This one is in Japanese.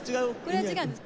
これは違うんです。